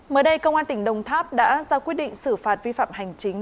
mới đây công an tỉnh đồng tháp đã ra quyết định xử phạt vi phạm hành chính